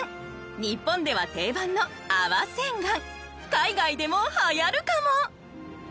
日本では定番の泡洗顔海外でもはやるかも？